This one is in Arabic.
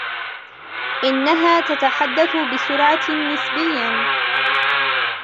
إنها تتحدث بسرعة نسبياً.